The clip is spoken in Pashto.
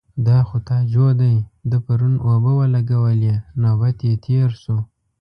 _دا خو تاجو دی، ده پرون اوبه ولګولې. نوبت يې تېر شو.